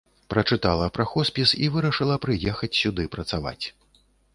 Прачытала пра хоспіс і вырашыла прыехаць сюды працаваць.